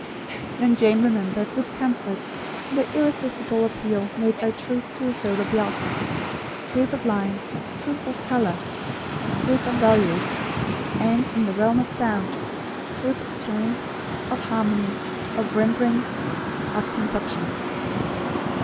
Then Jane remembered, with comfort, the irresistible appeal made by Truth to the soul of the artist; truth of line; truth of colour; truth of values; and, in the realm of sound, truth of tone, of harmony, of rendering, of conception.